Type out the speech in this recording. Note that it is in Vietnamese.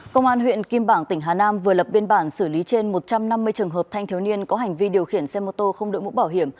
công an huyện kim bảng tỉnh hà nam vừa lập biên bản xử lý trên một trăm năm mươi trường hợp thanh thiếu niên có hành vi điều khiển xe mô tô không đội mũ bảo hiểm